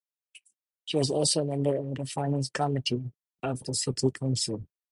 He was also a member of the Finance Committee of the City Council.